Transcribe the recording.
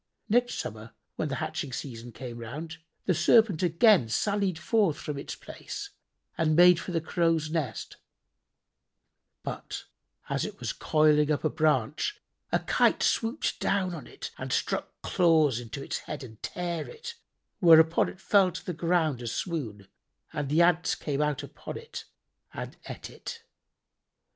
Next summer when the hatching season came round, the Serpent again sallied forth from its place and made for the Crows' nest; but, as it was coiling up a branch, a kite swooped down on it and struck claws into its head and tare it, whereupon it fell to the ground a swoon, and the ants came out upon it and ate it.